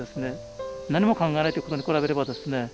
何も考えないということに比べればですね